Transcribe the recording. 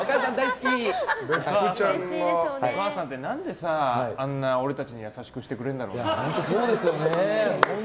お母さんって何であんなに俺たちに優しくしてくれるんだろうね。